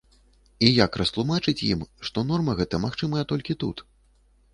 І як растлумачыць ім, што норма гэтая магчымая толькі тут?